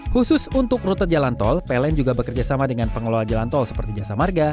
khusus untuk rute jalan tol pln juga bekerjasama dengan pengelola jalan tol seperti jasa marga